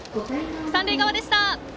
三塁側でした。